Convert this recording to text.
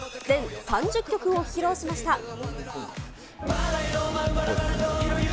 全３０曲を披露しました。